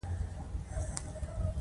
ما عزرائیل ولید او له ډار څخه لړزېدم